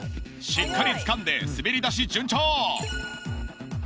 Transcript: しっかりつかんで滑り出し順調。